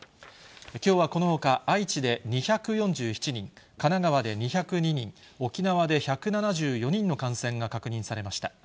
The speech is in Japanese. きょうはこのほか、愛知で２４７人、神奈川で２０２人、沖縄で１７４人の感染が確認されました。